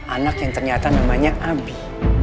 anak yang ternyata namanya abi